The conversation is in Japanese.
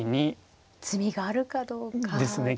詰みがあるかどうかですか。